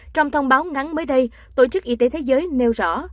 trong thông báo ngắn mới đây tổ chức y tế thế giới nêu rõ